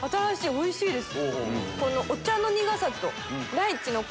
おいしいです。